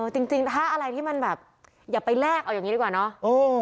จริงถ้าอะไรที่มันแบบอย่าไปแลกเอาอย่างนี้ดีกว่าเนาะ